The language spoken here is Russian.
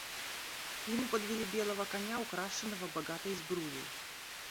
Ему подвели белого коня, украшенного богатой сбруей.